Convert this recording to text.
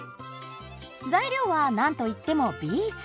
材料はなんといってもビーツ。